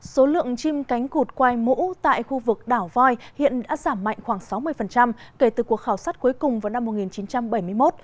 số lượng chim cánh cụt quai mũ tại khu vực đảo voi hiện đã giảm mạnh khoảng sáu mươi kể từ cuộc khảo sát cuối cùng vào năm một nghìn chín trăm bảy mươi một